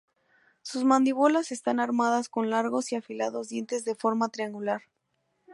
Sus mandíbulas están armadas con largos y afilados dientes de forma triangular.